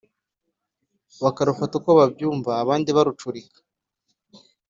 bakarufata uko babyumva abandi barucurika